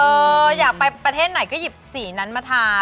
อยากไปประเทศไหนก็หยิบสีนั้นมาทาน